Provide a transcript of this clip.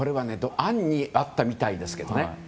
暗にあったみたいですけどね。